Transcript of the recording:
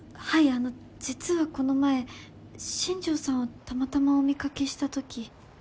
あの実はこの前新条さんをたまたまお見掛けしたとき。